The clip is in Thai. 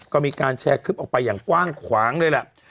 ก็มีการแชร์คลิปออกไปประมาณกว้างเลยละ